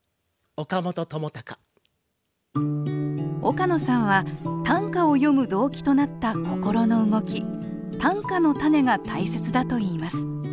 岡野さんは短歌を詠む動機となった心の動き短歌のたねが大切だといいます。